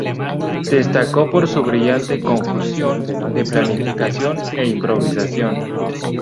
Destacó por su brillante conjunción de planificación e improvisación.